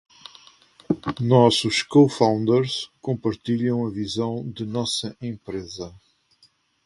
Nossos cofounders compartilham a visão de nossa empresa.